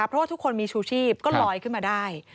เพราะว่าทุกคนมีชูชีพก็ลอยขึ้นมาได้